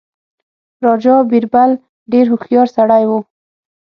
راجا بیربل ډېر هوښیار سړی وو.